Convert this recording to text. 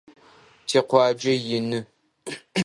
Тикъуаджэ ины.